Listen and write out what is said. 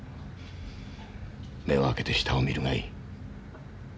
目を開けて下を見るがいい。